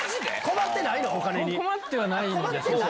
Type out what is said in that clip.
困ってはないんです。